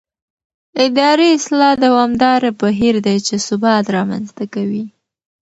اداري اصلاح دوامداره بهیر دی چې ثبات رامنځته کوي